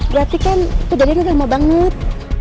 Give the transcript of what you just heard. berarti kan kejadiannya lama banget